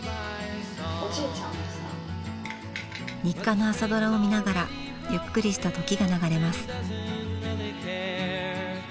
日課の「朝ドラ」を見ながらゆっくりした時が流れます。